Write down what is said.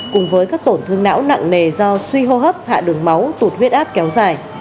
cùng với các tổn thương não nặng nề do suy hô hấp hạ đường máu tụt huyết áp kéo dài